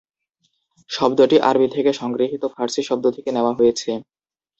শব্দটি আরবি থেকে সংগৃহীত ফারসি শব্দ থেকে নেওয়া হয়েছে।